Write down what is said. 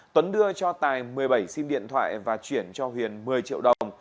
tuấn đưa cho tài một mươi bảy sim điện thoại và chuyển cho huyền một mươi triệu đồng